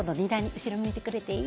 後ろ向いてくれていい？